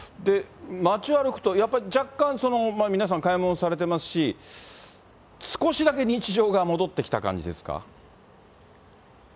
街を歩くと、やっぱり若干、皆さん、買い物されてますし、少しだけ日常が戻ってきた感じですか？